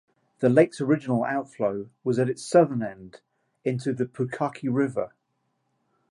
The lake's original outflow was at its southern end, into the Pukaki River.